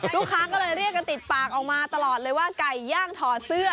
ลูกค้าก็เลยเรียกกันติดปากออกมาตลอดเลยว่าไก่ย่างถอดเสื้อ